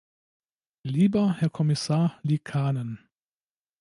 Lieber Herr Kommissar Liikanen!